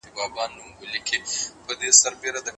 وختونه به بدلیږي خو افغان به بدل نه سي